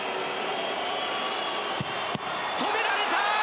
止められた！